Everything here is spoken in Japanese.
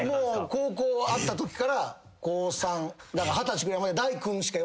高校会ったときから高３二十歳ぐらいまでだいくんしか。